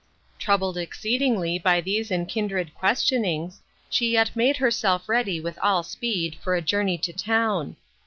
Troubled exceedingly by these and kindred questionings, she yet made herself ready with all speed, for a journey to town.